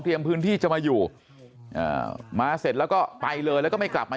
พื้นที่จะมาอยู่อ่ามาเสร็จแล้วก็ไปเลยแล้วก็ไม่กลับมา